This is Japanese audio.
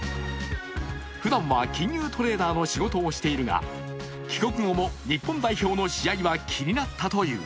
ふだんは金融トレーダーの仕事をしているが帰国後も日本代表の試合は気になったという。